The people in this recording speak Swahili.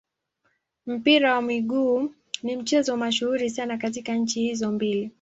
Mpira wa miguu ni mchezo mashuhuri sana katika nchi hizo mbili.